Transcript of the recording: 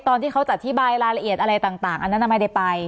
ตอนที่เขาจะอธิบายรายละเอียดอะไรต่างอันนั้นไม่ได้ไป